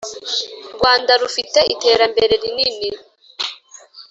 rwanda rufite iterambere rinini